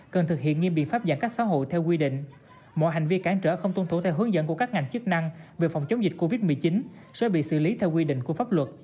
cần thực hiện nghiêm biện pháp giãn cách xã hội theo quy định